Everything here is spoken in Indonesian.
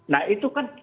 nah itu kan